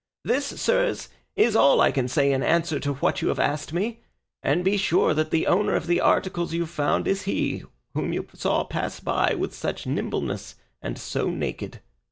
This, sirs, is all I can say in answer to what you have asked me; and be sure that the owner of the articles you found is he whom you saw pass by with such nimbleness and so naked."